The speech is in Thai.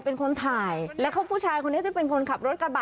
เป็นคนถ่ายแล้วก็ผู้ชายคนนี้ที่เป็นคนขับรถกระบะ